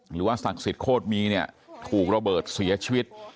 ศักดิ์สิทธิโคตรมีเนี่ยถูกระเบิดเสียชีวิต